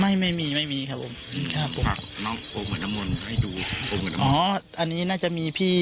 ไม่ไม่มีไม่มีครับผมฝากน้องโอเหมือนนามนให้ดูอ๋ออันนี้น่าจะมีพี่